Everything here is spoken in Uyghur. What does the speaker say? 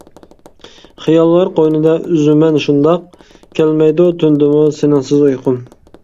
خىياللار قوينىدا ئۈزىمەن شۇنداق، كەلمەيدۇ تۈندىمۇ سېنىڭسىز ئۇيقۇم.